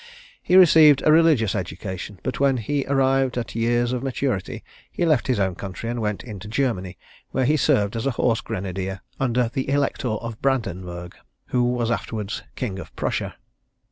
He received a religious education; but when he arrived at years of maturity, he left his own country, and went into Germany, where he served as a horse grenadier under the Elector of Brandenburgh, who was afterwards King of Prussia.